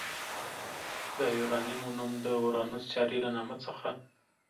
د یوارنیمو نوم د اورانوس سیارې له نامه څخه